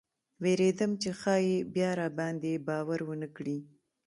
ویرېدم چې ښایي بیا راباندې باور ونه کړي.